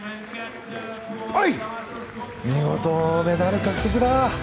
見事、メダル獲得だ！